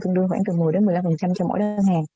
tương đương khoảng từ một mươi một mươi năm cho mỗi đơn hàng